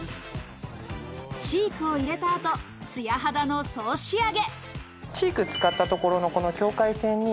チークを入れたあと、艶肌の総仕上げ。